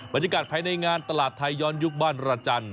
บรรยากาศภายในงานตลาดไทยย้อนยุคบ้านรจันทร์